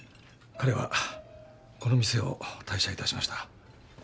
彼はこの店を退社いたしました。